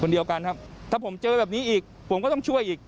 เดียวกันครับถ้าผมเจอแบบนี้อีกผมก็ต้องช่วยอีก